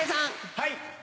はい。